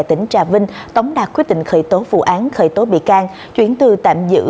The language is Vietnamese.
tỉnh trà vinh tống đạt quyết định khởi tố vụ án khởi tố bị can chuyển từ tạm giữ